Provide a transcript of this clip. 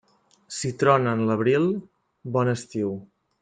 Si trona en l'abril, bon estiu.